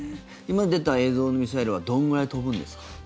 今、出た映像のミサイルはどれくらい飛ぶんですか？